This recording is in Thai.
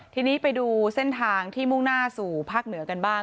ทีนี้ไปดูเส้นทางที่มุ่งหน้าสู่ภาคเหนือกันบ้าง